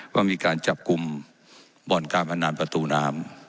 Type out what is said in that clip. ว่ามีการจับกลุ่มบ่อนการพนันประตูน้ำ